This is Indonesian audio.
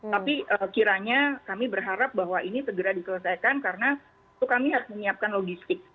tapi kiranya kami berharap bahwa ini segera diselesaikan karena itu kami harus menyiapkan logistik